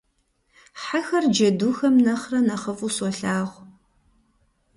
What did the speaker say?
Хьэхэр джэдухэм нэхърэ нэхъыфӀу солъагъу.